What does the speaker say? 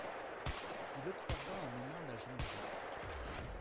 Il observa un moment la Jondrette.